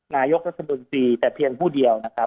นายกรัฐมนตรีแต่เพียงผู้เดียวนะครับ